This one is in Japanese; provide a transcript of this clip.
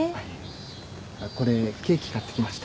これケーキ買ってきました。